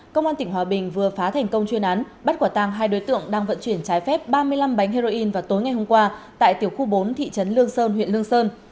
công an tỉnh hòa bình vừa phá thành công chuyên án bắt quả tàng hai đối tượng đang vận chuyển trái phép ba mươi năm bánh heroin vào tối ngày hôm qua tại tiểu khu bốn thị trấn lương sơn huyện lương sơn